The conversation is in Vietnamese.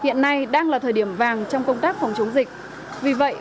hiện nay đang là thời điểm vàng trong công tác phòng chống dịch vì vậy